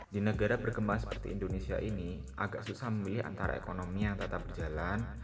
di negara berkembang seperti indonesia ini agak susah memilih antara ekonomi yang tetap berjalan